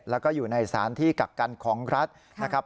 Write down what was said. และก็อยู่ในสารที่กักกันของลักษณ์